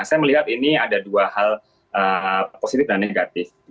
saya melihat ini ada dua hal positif dan negatif